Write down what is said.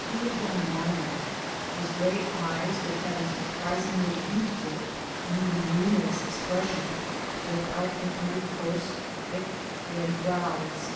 He had been a miner. His gray eyes, which had a surprisingly youthful and even humorous expression, looked out from under coarse, thick, gray brows.